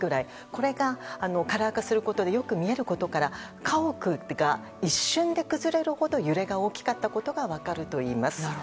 これが、カラー化することでよく見えることから家屋が一瞬で崩れるほど揺れが大きかったことが分かるといいます。